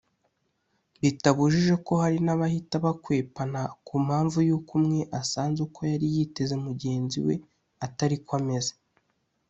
bitabujije ko hari n’abahita bakwepana ku mpamvu yuko umwe asanze uko yari yiteze mugenzi we atariko ameze